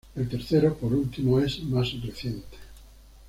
El tercero, por último, es más reciente.